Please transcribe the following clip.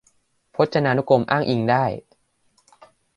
พจนานุกรมอ้างอิงได้